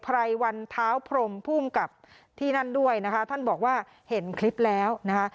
ไรวันเท้าพรมภูมิกับที่นั่นด้วยนะคะท่านบอกว่าเห็นคลิปแล้วนะคะ